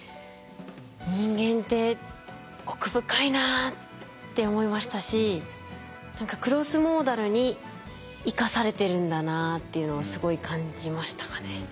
人間って奥深いなって思いましたし何かクロスモーダルに生かされてるんだなっていうのをすごい感じましたかね。